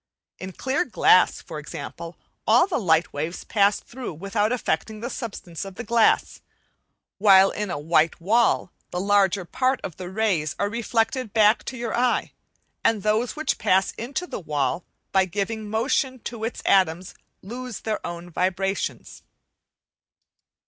In clear glass, for example, all the light waves pass through without affecting the substance of the glass; while in a white wall the larger part of the rays are reflected back to your eye, and those which pass into the wall, by giving motion to its atoms lose their own vibrations.